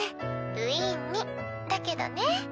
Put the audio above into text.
ウィーンにだけどね。